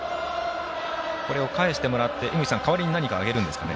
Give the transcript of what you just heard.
これを返してもらって代わりに何かあげるんですかね？